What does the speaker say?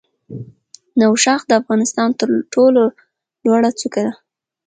نوشاخ د افغانستان تر ټولو لوړه څوکه ده